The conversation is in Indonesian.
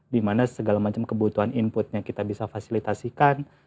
dimana segala macam kebutuhan inputnya kita bisa fasilitasikan